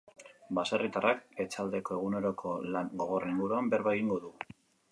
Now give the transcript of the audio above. Baserritarrak etxaldeko eguneroko lan gogorren inguruan berba egingo du.